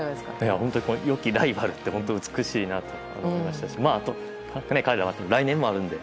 本当に、良きライバルって美しいなと思いましたしあと、彼らは来年もあるので。